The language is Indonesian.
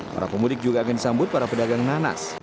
para pemudik juga akan disambut para pedagang nanas